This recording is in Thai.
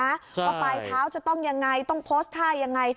ว่าปลายเท้าจะต้องยังไงต้องโพสต์ท่ายังไง